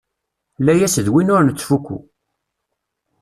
Layas d win ur nettfukku.